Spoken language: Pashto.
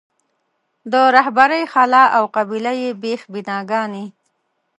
د رهبرۍ خلا او قبیله یي بېخ بناګانې.